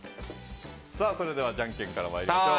それではじゃんけんから参りましょう。